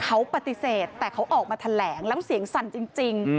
เขาปฏิเสธแต่เขาออกมาแถลงแล้วเสียงสั่นจริง